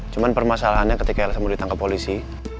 cuma permasalahannya ketika elsa mau ditangkap polisi